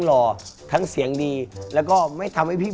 รุ่นดนตร์บุรีนามีดังใบปุ่ม